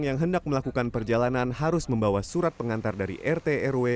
yang hendak melakukan perjalanan harus membawa surat pengantar dari rt rw